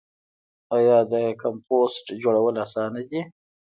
آیا د کمپوسټ جوړول اسانه دي؟